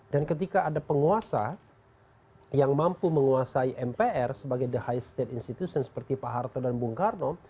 dan ketika ada penguasa yang mampu menguasai mpr sebagai the high state institution seperti pak harta dan bung karno